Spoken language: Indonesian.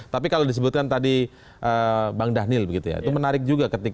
tapi kalau disebutkan tadi bang dhanil begitu ya itu menarik juga ketika